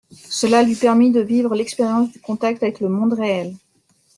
Cela lui permit de vivre l'expérience du contact avec le monde réel.